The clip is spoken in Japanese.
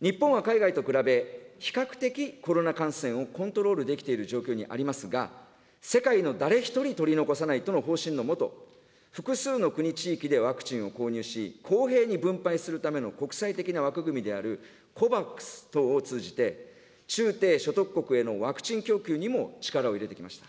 日本は海外と比べ、比較的コロナ感染をコントロールできている状況にありますが、世界の誰一人取り残さないとの方針の下、複数の国・地域でワクチンを購入し、公平に分配するための国際的な枠組みであるＣＯＶＡＸ等を通じて、中低所得国へのワクチン供給にも力を入れてきました。